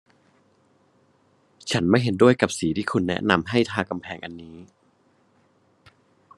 ฉันไม่เห็นด้วยกับสีที่คุณแนะนำให้ทากำแพงอันนี้